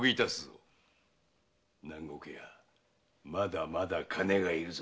南国屋まだまだ金が要るぞ。